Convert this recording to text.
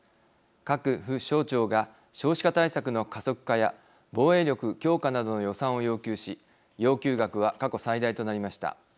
各府省庁が少子化対策の加速化や防衛力強化などの予算を要求し要求額は過去最大となりました。